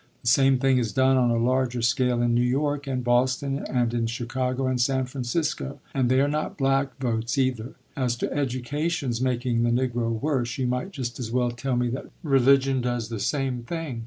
The same thing is done on a larger scale in New York and Boston, and in Chicago and San Francisco; and they are not black votes either. As to education's making the Negro worse, you might just as well tell me that religion does the same thing.